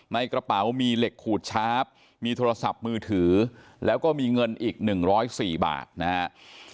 ในกระเป๋ามีเหล็กขูดชาร์ฟมีโทรศัพท์มือถือแล้วก็มีเงินอีก๑๐๔บาทนะครับ